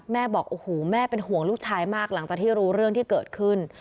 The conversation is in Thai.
บอกโอ้โหแม่เป็นห่วงลูกชายมากหลังจากที่รู้เรื่องที่เกิดขึ้น